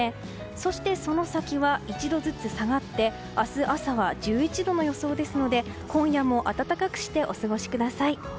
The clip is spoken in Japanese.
そして、その先は１度ずつ下がって明日朝は１１度の予想ですので今夜も暖かくしてお過ごしください。